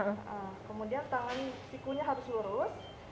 kemudian tangan sikunya harus lurus